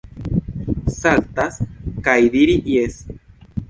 Saltas kaj diri jes.